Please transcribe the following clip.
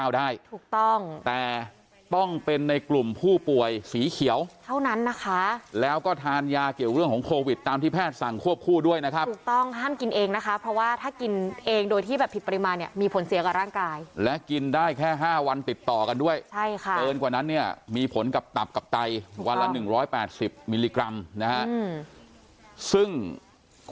ได้ถูกต้องแต่ต้องเป็นในกลุ่มผู้ป่วยสีเขียวเท่านั้นนะคะแล้วก็ทานยาเกี่ยวเรื่องของโควิดตามที่แพทย์สั่งควบคู่ด้วยนะครับถูกต้องห้ามกินเองนะคะเพราะว่าถ้ากินเองโดยที่แบบผิดปริมาณเนี่ยมีผลเสียกับร่างกายและกินได้แค่๕วันติดต่อกันด้วยใช่ค่ะเกินกว่านั้นเนี่ยมีผลกับตับกับไตวันละ๑๘๐มิลลิกรัมนะฮะซึ่ง